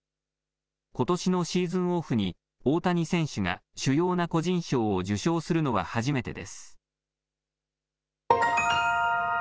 ことしのシーズンオフに、大谷選手が主要な個人賞を受賞するのは初めてです。